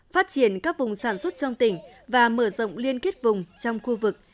phát triển các vùng sản xuất trong tỉnh và mở rộng liên kết vùng trong khu vực